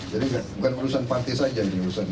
jadi bukan urusan parti saja ini ya